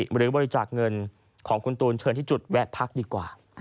หรือบริจาคเงินของคุณตูนเชิญที่จุดแวะพักดีกว่า